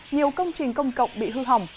nhiều công trình công cộng bị hư hỏng